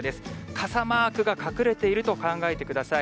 傘マークが隠れていると考えてください。